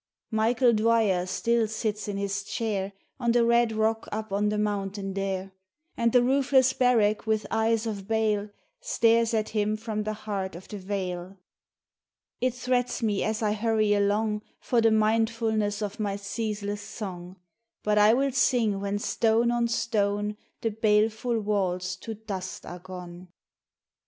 " Michael Dwyer still sits in his chair On the red rock up on the mountain there, And the roofless barrack with eyes of bale Stares at him from the heart of the vale. 81 F 82 GLENMALURE " It threats me as I hurry along For the mindfulness of my ceaseless song; But I will sing when stone on stone The baleful walls to dust are gone.